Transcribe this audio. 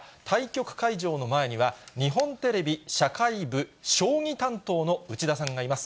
対局会場の前には、日本テレビ社会部、将棋担当の内田さんがいます。